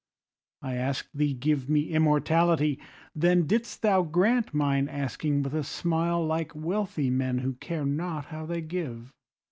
I ask'd thee, 'Give me immortality.' Then didst thou grant mine asking with a smile, Like wealthy men who care not how they give.